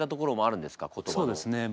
そうですね。